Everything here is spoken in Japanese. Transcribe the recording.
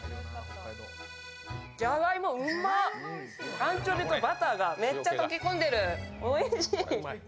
アンチョビのバターがめっちゃ溶け込んでる、おいしい。